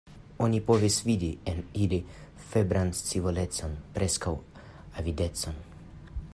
Oni povis vidi en ili febran scivolecon, preskaŭ avidecon.